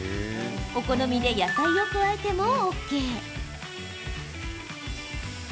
お好みで野菜を加えてもＯＫ。